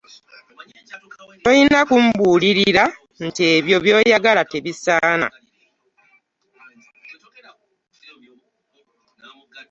Tolina kumubuulira nti ebyo by’oyagala tebisaana.